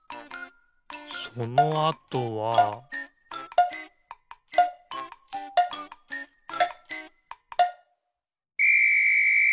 そのあとはピッ！